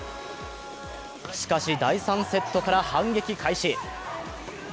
しかし、第３セットから反撃開始。